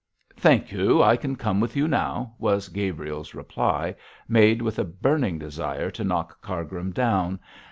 'Thank you, I can come with you now,' was Gabriel's reply, made with a burning desire to knock Cargrim down.